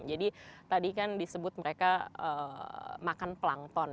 jadi tadi kan disebut mereka makan plankton